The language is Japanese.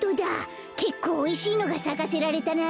けっこうおいしいのがさかせられたな。